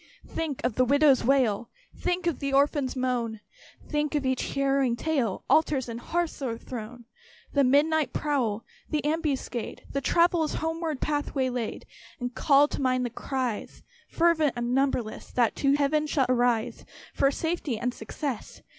Think of the widow's wail, Think of the orphan's moan! Think of each harrowing tale, Altars and hearths o'erthrown! The midnight prowl the ambuscade The traveller's homeward path waylaid! And call to mind the cries, Fervent and numberless, That shall to Heaven arise For safety and success.